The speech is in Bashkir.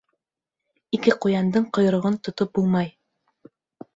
Ике ҡуяндың ҡойроғон тотоп булмай.